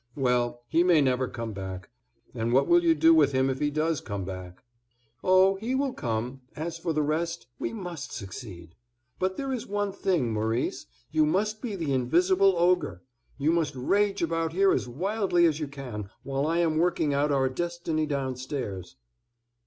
"Well, he may never come back; and what will you do with him if he does come back?" "Oh, he will come; as for the rest, we must succeed. But there is one thing, Maurice, you must be the invisible ogre; you must rage about here as wildly as you can, while I am working out our destiny downstairs."